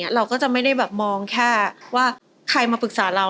เราก็จะไม่ได้แบบมองแค่ว่าใครมาปรึกษาเรา